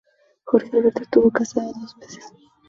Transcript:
Jorge Alberto estuvo casado dos veces.